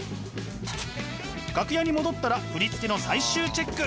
楽屋に戻ったら振り付けの最終チェック。